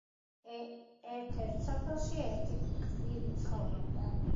ერთ-ერთ სოფელში ერთი გზირი ცხოვრობდა